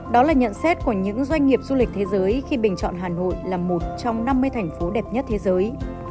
đó là nhận xét của những doanh nghiệp du lịch thế giới khi bình chọn hà nội là một trong năm mươi thành phố đẹp nhất thế giới